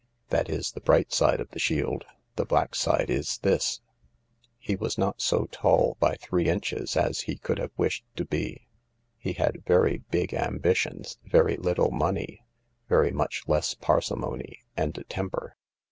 That is the bright side of the shield. The black side is this : he was not so tall, by three inches, as he could have wished to be, he had very big ambitions, very little money, very much less parsimony, and a temper.